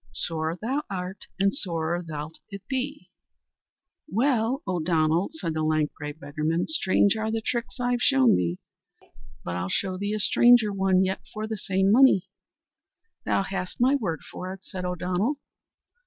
"Sore thou art, and sorer thou 'lt be," said O'Donnell. "Well, O'Donnell," said the lank, grey beggarman, "strange are the tricks I've shown thee, but I'll show thee a stranger one yet for the same money." "Thou hast my word for it," said O'Donnell.